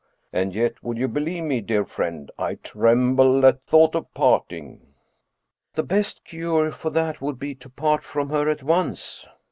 And yet, would you believe me, dear friend, I tremble at thought of parting." " The best cure for that would be to part from her at once."